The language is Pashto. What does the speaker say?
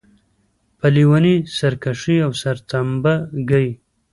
په لېونۍ سرکښۍ او سرتمبه ګۍ.